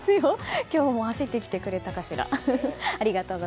今日も走ってきてくれたかしら。